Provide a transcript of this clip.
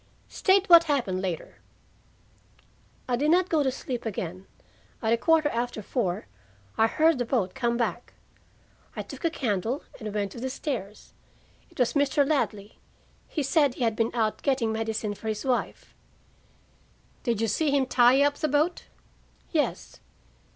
"State what happened later." "I did not go to sleep again. At a quarter after four, I heard the boat come back. I took a candle and went to the stairs. It was Mr. Ladley. He said he had been out getting medicine for his wife." "Did you see him tie up the boat?" "Yes."